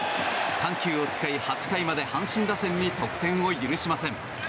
緩急を使い８回まで阪神打線に得点を許しません。